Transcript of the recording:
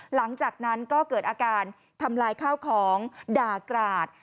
หลังจากนั้นก็เกิดอาการทำลายข้าวของด่ากราด